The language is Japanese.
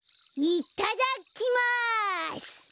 いただきます。